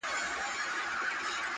ويل زموږ د سر امان دي وې سلطانه؛